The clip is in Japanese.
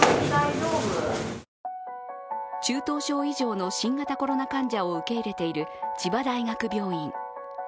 中等症以上の新型コロナ患者を受け入れている千葉大学病院。